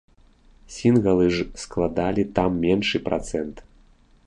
Сінгалы ж складалі там меншы працэнт.